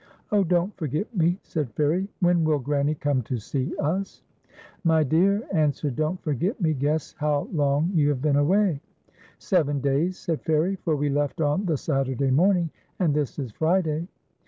" Oh, Don't Forget Me/' said Fairic, " when will Granny come to see us ?"" My dear," answered Don't Forgct Me, " guess how long \ ou have been away." " Seven da\ s," said Fairic, " for we left on the Satur day morning, and this is Friday."